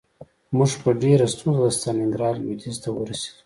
موږ په ډېره ستونزه د ستالینګراډ لویدیځ ته ورسېدو